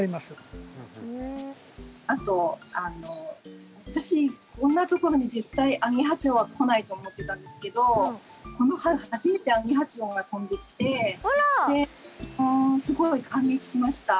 あと私こんなところに絶対アゲハチョウは来ないと思ってたんですけどこの春初めてアゲハチョウが飛んできてすごい感激しました。